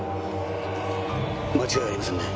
間違いありませんね？